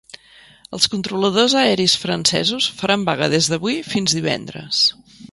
Els controladors aeris francesos faran vaga des d’avui fins divendres.